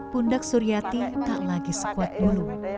pundak suryati tak lagi sekuat dulu